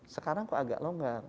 sekarang kok agak longgar